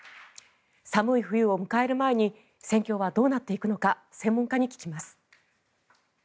寒い冬を迎える前に戦況はどうなっていくのか専門家に聞きます。